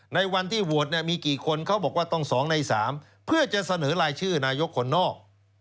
ในวันที่โหวตมีกี่คนเขาบอกว่าต้อง๒ใน๓เพื่อจะเสนอรายชื่อนายกคนนอก